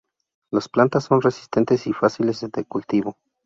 Las plantas son resistentes y fáciles de cultivo.